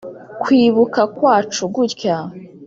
kwibuka kwacu, gutya,